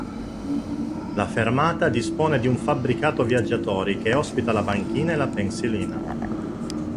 La fermata dispone di un fabbricato viaggiatori che ospita la banchina e la pensilina.